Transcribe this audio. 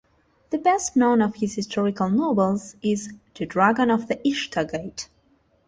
The best known of his historical novels is "The Dragon of the Ishtar Gate".